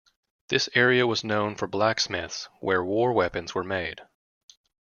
This area was known for blacksmiths where war weapons were made.